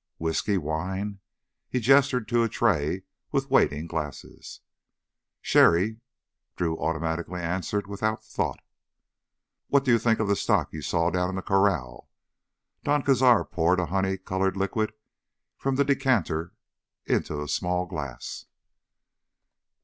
"Whisky? Wine?" He gestured to a tray with waiting glasses. "Sherry." Drew automatically answered without thought. "What do you think of the stock you saw down in the corral?" Don Cazar poured a honey colored liquid from the decanter into a small glass.